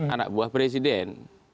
anak buah presiden